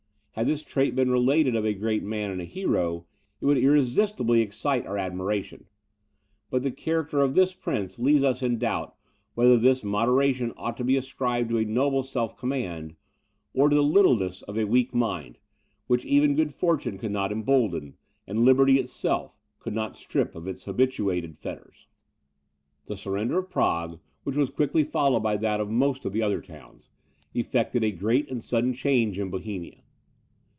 Had this trait been related of a great man and a hero, it would irresistibly excite our admiration; but the character of this prince leaves us in doubt whether this moderation ought to be ascribed to a noble self command, or to the littleness of a weak mind, which even good fortune could not embolden, and liberty itself could not strip of its habituated fetters. The surrender of Prague, which was quickly followed by that of most of the other towns, effected a great and sudden change in Bohemia.